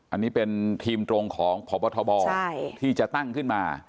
อันนี้เป็นทีมตรงของพบทบที่จะตั้งขึ้นมา